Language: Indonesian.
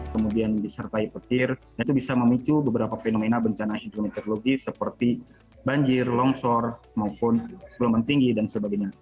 kemudian disertai petir itu bisa memicu beberapa fenomena bencana hidrometeorologis seperti banjir longsor maupun gelombang tinggi dan sebagainya